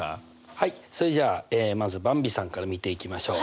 はいそれじゃあまずばんびさんから見ていきましょう。